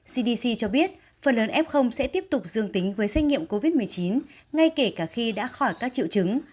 cdc cho biết phần lớn f sẽ tiếp tục dương tính với xét nghiệm covid một mươi chín ngay kể cả khi đã khỏi các triệu chứng